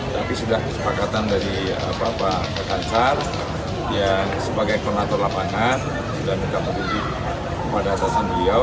tapi sudah kesepakatan dari bapak kekansar yang sebagai penata lapangan sudah menekan petunjuk pada atasan beliau